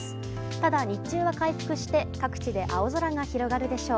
ただ日中は回復して各地で青空が広がるでしょう。